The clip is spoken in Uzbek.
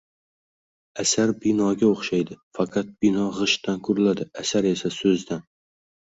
Asar binoga o’xshaydi. Faqat bino g’ishtdan quriladi, asar esa so’zdan.